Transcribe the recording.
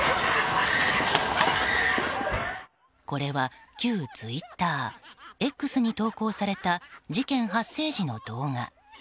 これは旧ツイッターＸに投稿された事件発生時の動画。